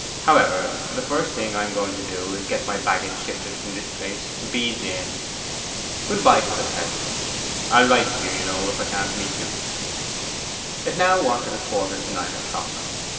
However, the first thing I am going to do is to get my baggage shifted from this place to Bede's Inn. Good bye for the present. I'll write, you know, if I can't meet you.' It now wanted a quarter to nine o'clock.